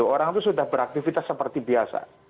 orang itu sudah beraktivitas seperti biasa